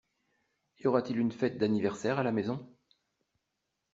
Y aura-t-il une fête d’anniversaire à la maison ?